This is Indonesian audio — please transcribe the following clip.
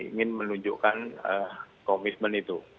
ingin menunjukkan komitmen itu